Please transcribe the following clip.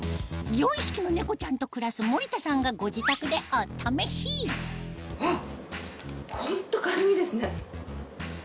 ４匹の猫ちゃんと暮らす森田さんがご自宅でお試しわっ！